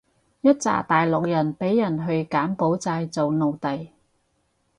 一柞大陸人畀人去柬埔寨做奴隸